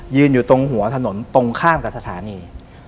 อยู่ตรงหัวถนนตรงข้ามกับสถานี